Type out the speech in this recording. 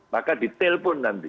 maka di telepon nanti